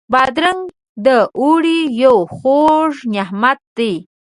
بادرنګ د اوړي یو خوږ نعمت دی.